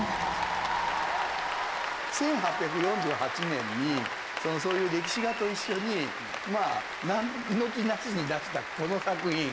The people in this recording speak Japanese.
１８４８年にそういう歴史画と一緒になんの気なしに出したこの作品。